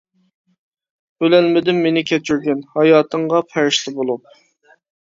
ئۆلەلمىدىم مېنى كەچۈرگىن، ھاياتىڭغا پەرىشتە بولۇپ.